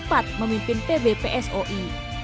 tepat memimpin pbpsoi